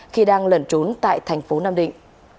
khi đang lẩn trốn tại tp nam định